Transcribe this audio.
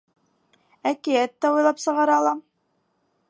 — Әкиәт тә уйлап сығара алам.